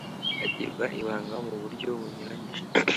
Agirwa ibanga mu buryo bunyuranyije